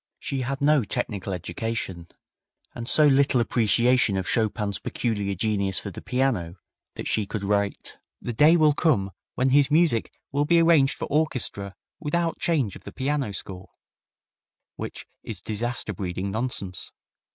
She had no technical education, and so little appreciation of Chopin's peculiar genius for the piano that she could write, "The day will come when his music will be arranged for orchestra without change of the piano score;" which is disaster breeding nonsense.